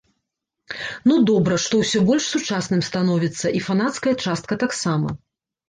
Ну добра, што ўсё больш сучасным становіцца, і фанацкая частка таксама.